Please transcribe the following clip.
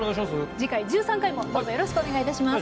次回１３回もどうぞよろしくお願いいたします。